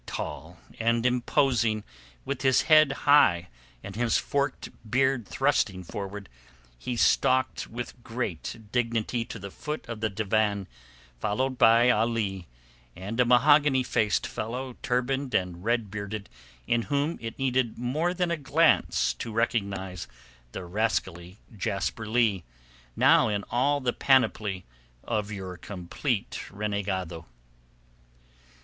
Tall and imposing, with his head high and his forked beard thrusting forward, he stalked with great dignity to the foot of the divan followed by Ali and a mahogany faced fellow, turbaned and red bearded, in whom it needed more than a glance to recognize the rascally Jasper Leigh, now in all the panoply of your complete renegado.